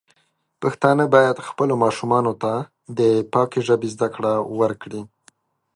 پښتانه بايد خپلو ماشومانو ته د پاکې ژبې زده کړه ورکړي.